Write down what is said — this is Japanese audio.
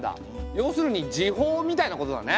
要するに時報みたいなことだね。